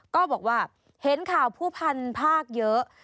ก็บอกว่าเห็นข่าวผู้พันภาคเยอะ